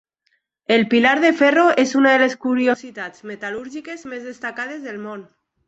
El pilar de ferro és una de les curiositats metal·lúrgiques més destacades del món.